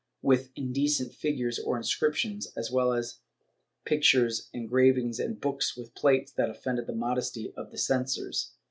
with indecent figures or inscriptions, as well as of pictures, engrav ings and books with plates that offended the modesty of the cen sors.